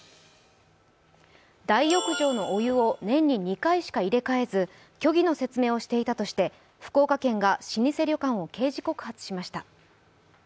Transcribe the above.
大浴場のお湯を年に２回しか入れ替えず、虚偽の説明をしていたとして福岡県が老舗旅館を刑事告発しました。